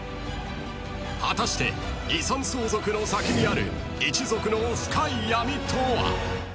［果たして遺産相続の先にある一族の深い闇とは］